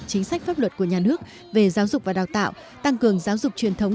chính sách pháp luật của nhà nước về giáo dục và đào tạo tăng cường giáo dục truyền thống